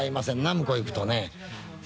向こう行くと。